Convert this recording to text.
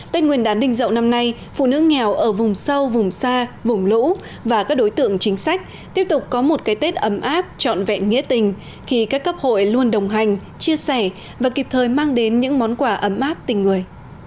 tết nguyên đán đình dậu năm nay phụ nữ nghèo ở vùng sâu vùng xa vùng lũ và các đối tượng chính sách tiếp tục có một cái tết ấm áp trọn vẹn nghĩa tình khi các cấp hội luôn đồng hành chia sẻ và kịp thời mang đến những món quà ấm áp tình người